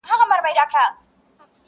له هغې د مځكي مخ ورته سور اور وو٫